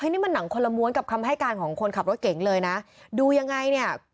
นี่มันหนังคนละม้วนกับคำให้การของคนขับรถเก่งเลยนะดูยังไงเนี่ย